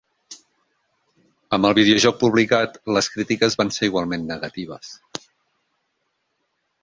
Amb el videojoc publicat, les crítiques van ser igualment negatives.